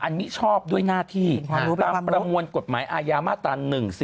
มิชอบด้วยหน้าที่ตามประมวลกฎหมายอาญามาตรา๑๔